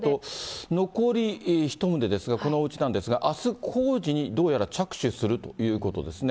残り１棟ですが、このおうちなんですが、あす工事にどうやら着手するということですね。